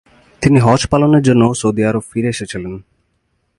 তিনি হজ পালনের জন্য সৌদি আরব ফিরে এসেছিলেন।